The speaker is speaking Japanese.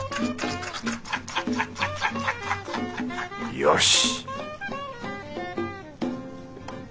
よし